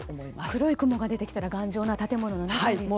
黒い雲が出てきたら頑丈な建物の中にですよね。